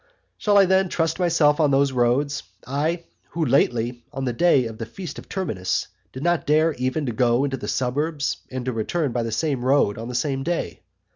X. Shall I then trust myself to those roads I who lately, on the day of the feast of Terminus, did not dare even to go into the suburbs and return by the same road on the same day?